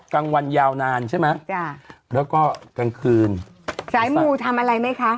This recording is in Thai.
กลางวันยาวนานใช่ไหมจ้ะแล้วก็กลางคืนสายมูทำอะไรไหมคะ